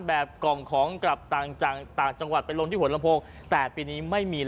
แบบกล่องของกลับต่างจังหวัดไปลงที่หวนลำโพงแต่ปีนี้ไม่มีแล้ว